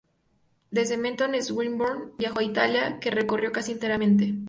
Desde Menton Swinburne viajó a Italia, que recorrió casi enteramente.